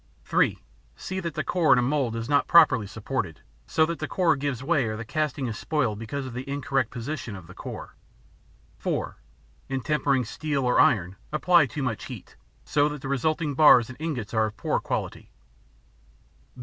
(3) See that the core in a mold is not properly supported, so that the core gives way or the casting is spoiled because of the incorrect position of the core. (4) In tempering steel or iron, apply too much heat, so that the resulting bars and ingots are of poor quality.